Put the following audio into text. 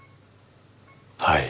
はい。